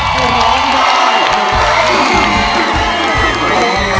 ร้องได้ให้ร้อง